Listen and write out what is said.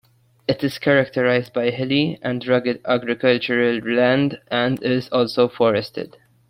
It is characterized by hilly and rugged agricultural land and is also forested.